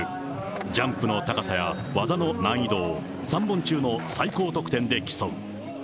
ジャンプの高さや技の難易度を３本中の最高得点で競う。